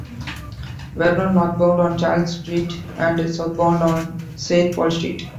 Vernon northbound on Charles Street and southbound on Saint Paul Street.